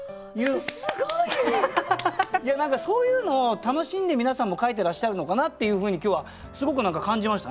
すごい！何かそういうのを楽しんで皆さんも書いてらっしゃるのかなっていうふうに今日はすごく何か感じましたね。